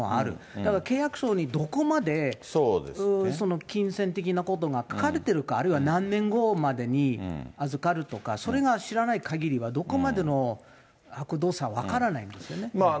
だから契約書にどこまでその金銭的なことが書かれているか、あるいは何年後までに預かるとか、それが知らないかぎりは、どこまでのあくどさ分からないですよね。